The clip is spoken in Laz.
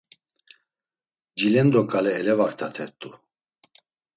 Cilendo ǩale elevaktatert̆u.